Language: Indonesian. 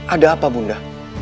ada apa bunda